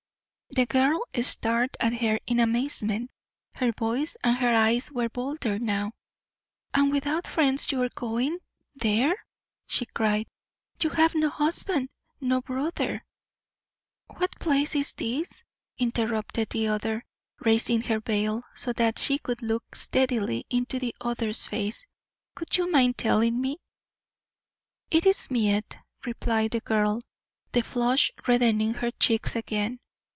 The girl stared at her in amazement. Her voice and her eyes were bolder now. "And without friends you are going there?" she cried. "You have no husband no brother " "What place is this?" interrupted the other, raising her veil so that she could look steadily into the other's face. "Would you mind telling me?" "It is Miette," replied the girl, the flush reddening her cheeks again.